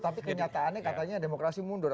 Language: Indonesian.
tapi kenyataannya katanya demokrasi mundur